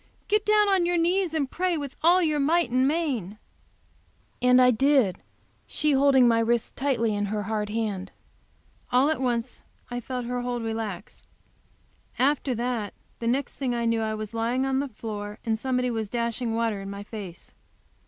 Get down on your knees and pray with all your, might and main." And I did; she holding my wrist tightly in hard hand. All at once I felt her hold relax. After that the next thing I knew I was lying on the floor and somebody was dashing water in my face.